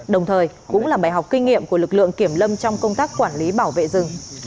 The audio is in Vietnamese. đồng thời cũng là bài học kinh nghiệm của lực lượng kiểm lâm trong công tác quản lý bảo vệ rừng